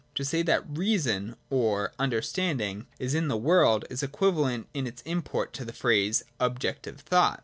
To say that Reason or Understanding is in the world, is equivalent in its import to the phrase ' Objective Thought.'